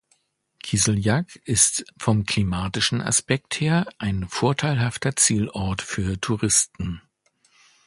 Kiseljak ist vom klimatischen Aspekt her ein vorteilhafter Zielort für Touristen.